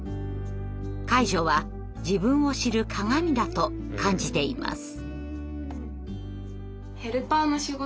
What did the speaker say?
介助は自分を知る鏡だと感じています。